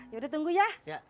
yaudah tunggu ya